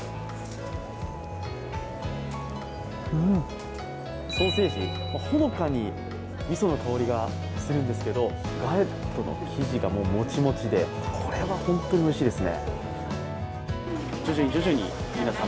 うん！、ソーセージ、ほのかにみその香りがするんですけどガレットの生地がもちもちで、これは本当においしいですね。